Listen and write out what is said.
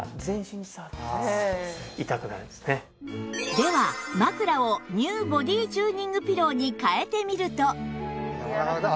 では枕を ＮＥＷ ボディチューニングピローに替えてみると